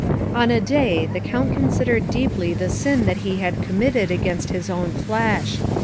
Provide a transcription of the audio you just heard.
On a day the Count considered deeply the sin that he had committed against his own flesh.